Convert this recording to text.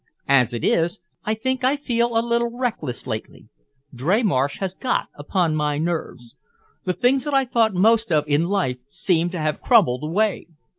As it is, I think I feel a little reckless lately. Dreymarsh has got upon my nerves. The things that I thought most of in life seem to have crumbled away."